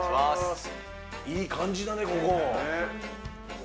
いい感じだね、ここ。